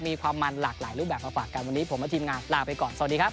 มีความมันหลากหลายรูปแบบมาฝากกันวันนี้ผมและทีมงานลาไปก่อนสวัสดีครับ